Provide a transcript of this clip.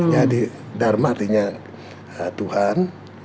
jadi dharma artinya tuhan